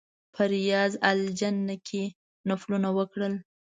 په ریاض الجنه کې نفلونه وکړل.